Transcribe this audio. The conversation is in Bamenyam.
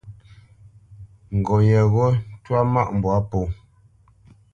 Ŋgop yeghó ntwá mâʼ mbwǎ pō.